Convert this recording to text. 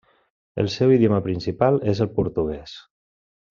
El seu idioma principal és el portuguès.